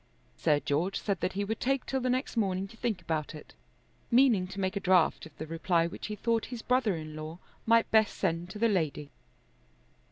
Sir George said that he would take till the next morning to think about it, meaning to make a draft of the reply which he thought his brother in law might best send to the lady.